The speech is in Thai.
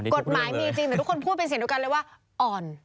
กฎหมายเออนะทุกคนพูดเป็นสิ่งตรงกันเลยว่าอ่อน